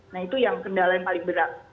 nah itu yang kendala yang paling berat